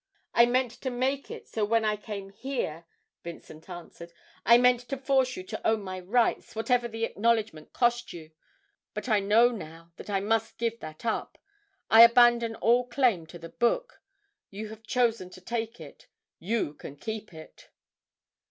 'I meant to make it so when I came here,' Vincent answered. 'I meant to force you to own my rights, whatever the acknowledgment cost you.... But I know now that I must give that up. I abandon all claim to the book; you have chosen to take it you can keep it!'